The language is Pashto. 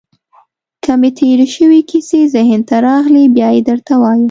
که مې تېرې شوې کیسې ذهن ته راغلې، بیا يې درته وایم.